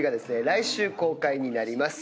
来週公開になります。